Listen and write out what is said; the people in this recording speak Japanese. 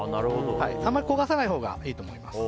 あんまり焦がさないほうがいいと思います。